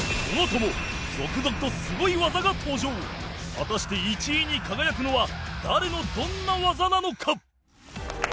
果たして１位に輝くのは誰のどんな技なのか？